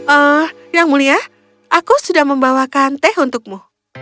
oh yang mulia aku sudah membawakan teh untukmu